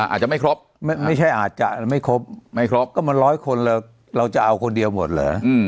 อาจจะไม่ครบไม่ใช่อาจจะไม่ครบไม่ครบก็มันร้อยคนเราจะเอาคนเดียวหมดเหรอ